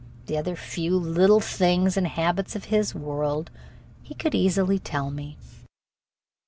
The other few little things and habits of his world he could easily tell me.